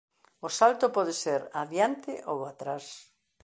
O salto pode ser adiante ou atrás.